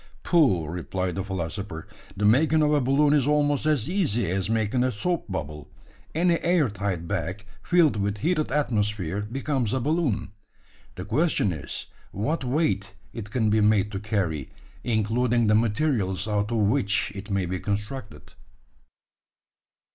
"Pooh!" replied the philosopher, "the making of a balloon is almost as easy as making a soap bubble. Any air tight bag, filled with heated atmosphere, becomes a balloon. The question is, what weight it can be made to carry including the materials out of which it may be constructed."